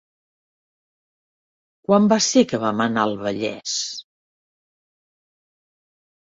Quan va ser que vam anar a Vallés?